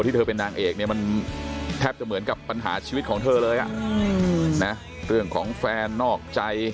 เธอเป็นนางเอกเนี่ยมันแทบจะเหมือนกับปัญหาชีวิตของเธอเลยนะเรื่องของแฟนนอกใจ